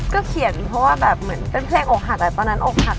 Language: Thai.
ก็เขียนเพราะว่าแบบเหมือนเป็นเพลงอกหักตอนนั้นอกหัก